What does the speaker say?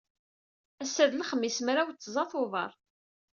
Ass-a d lexmis, mraw tẓa Tubeṛ.